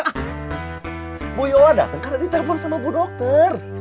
ah bu yola datang karena ditelepon sama bu dokter